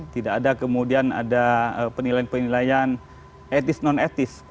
tidak ada kemudian ada penilaian penilaian etis non etis